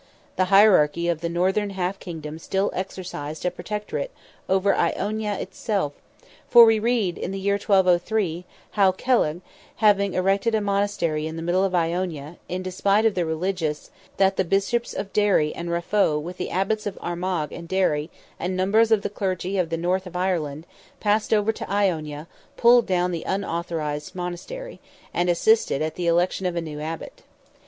The Hierarchy of the northern half kingdom still exercised a protectorate over Iona itself, for we read, in the year 1203, how Kellagh, having erected a monastery in the middle of Iona, in despite of the religious, that the Bishops of Derry and Raphoe, with the Abbots of Armagh and Derry and numbers of the Clergy of the North of Ireland, passed over to Iona, pulled down the unauthorized monastery, and assisted at the election of a new Abbot.